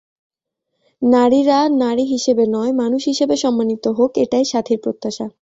নারীরা নারী হিসেবে নয়, মানুষ হিসেবে সম্মানিত হোক, এটাই সাথীর প্রত্যাশা।